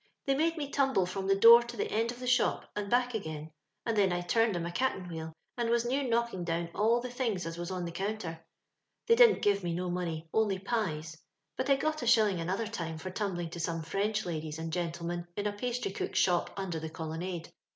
They made me tumble from the door to the end of the shop, and back again, and then I turned 'em a caten wheel, and was near knocking down all the things as was on the counter. They didn't give me no money, only pies ; but I got a shilling another time for tumbling to some French ladies and gentlemen in a pastry cook's shop under the Colonnade.